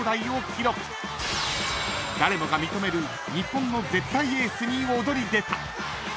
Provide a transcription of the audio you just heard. ［誰もが認める日本の絶対エースに躍り出た］